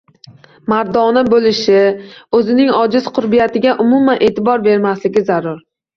Mardona boʻlishi, oʻzining ojiz qurbiyatiga umuman eʼtibor bermasligi zarur